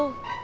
kata pak amin